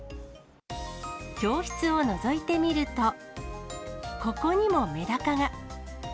教室をのぞいてみると、ここにもメダカが。